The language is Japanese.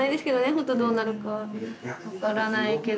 ほんとどうなるか。分からないけど。